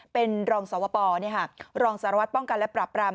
เป็นรองศาวปรองศาวราชป้องกันและปรับปราม